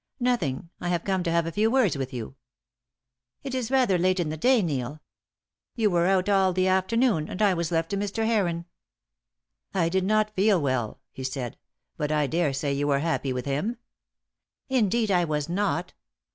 "Nothing. I have come to have a few words with you." "It is rather late in the day, Neil. You were out ail the afternoon, and I was left to Mr. Heron." "I did not feel well," he said. "But I daresay you were happy with him." "Indeed I was not.